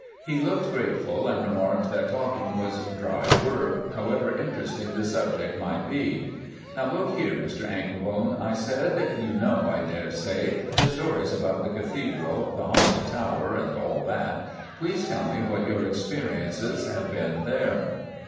He looked grateful, and remarked that talking was dry work, however interesting the subject might be. "Now, look here, Mr Anklebone," I said, "you know, I daresay, the stories about the Cathedral, the Haunted Tower, and all that. Please tell me what your experiences have been there."